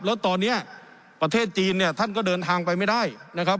แล้วตอนนี้ประเทศจีนเนี่ยท่านก็เดินทางไปไม่ได้นะครับ